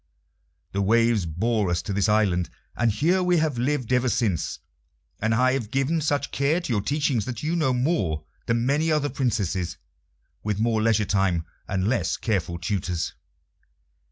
The waves bore us to this island, and here we have lived ever since, and I have given such care to your teaching that you know more than many other Princesses with more leisure time and less careful tutors."